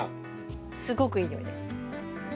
すごくいい匂いです。